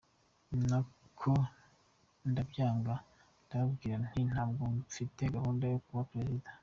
Ni uko ndabyanga, ndababwira nti ntabwo mfite gahunda yo kuba Perezida..."